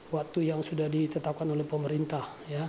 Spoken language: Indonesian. waktu yang sudah ditetapkan oleh pemerintah